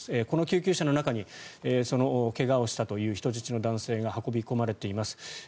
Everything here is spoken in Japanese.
この救急車の中にその怪我をしたという人質の男性が運び込まれています。